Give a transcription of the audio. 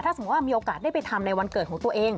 สมมุติว่ามีโอกาสได้ไปทำในวันเกิดของตัวเอง